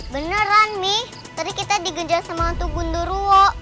beneran mi tadi kita dikejar sama tugun duruwo